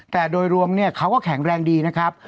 แต่โดยรวมเขาก็แข็งแรงดีนะครับ